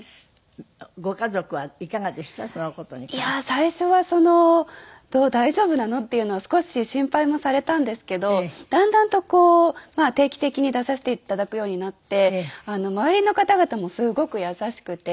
最初はその「大丈夫なの？」っていうのは少し心配もされたんですけどだんだんとこう定期的に出させていただくようになって周りの方々もすごく優しくて。